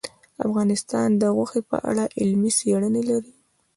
افغانستان د غوښې په اړه علمي څېړنې لري.